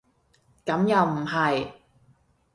咁又唔係